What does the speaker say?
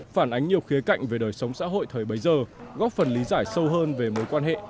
phản ánh nhiều khía cạnh về đời sống xã hội thời bấy giờ góp phần lý giải sâu hơn về mối quan hệ